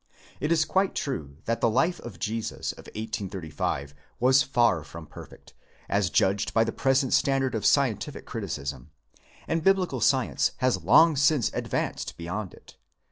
It is quite true that the Life of /Jesus of 1835 was far from perfect, as judged by the present standard of scientific criti cism, and Biblical science has long since advanced beyond it.